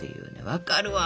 分かるわ。